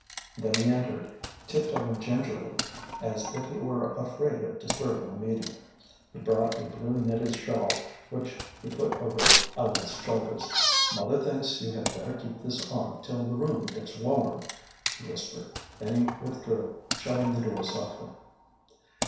Then he entered, tiptoeing gingerly, as if he were afraid of disturbing a meeting. He brought a blue knitted shawl, which he put over Ellen's shoulders. "Mother thinks you had better keep this on till the room gets warm," he whispered. Then he withdrew, shutting the door softly.